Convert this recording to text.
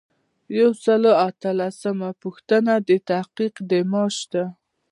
یو سل او اتلسمه پوښتنه د تحقیق د معاش ده.